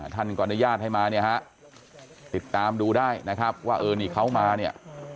ท่านก็อนุญาตให้มาเนี่ยฮะติดตามดูได้นะครับว่าเออนี่เขามาเนี่ย